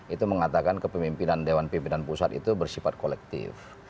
itu mengatakan kepemimpinan dewan pimpinan pusat itu bersifat kolektif